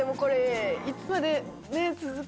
いつまで続け。